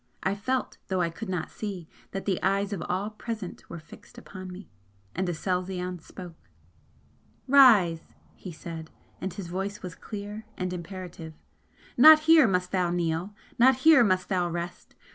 I felt, though I could not see, that the eyes of all present were fixed upon me. And Aselzion spoke: "Rise!" he said and his voice was clear and imperative "Not here must thou kneel not here must thou rest!